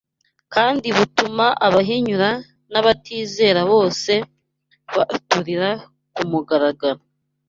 kandi butuma abahinyura n’abatizera bose baturira ku mugaragaro